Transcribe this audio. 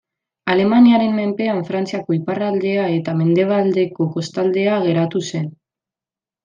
Alemaniaren menpean Frantziako iparraldea eta mendebaldeko kostaldea geratu zen.